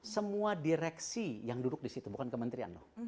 semua direksi yang duduk di situ bukan kementerian loh